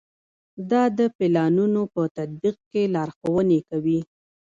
دا د پلانونو په تطبیق کې لارښوونې کوي.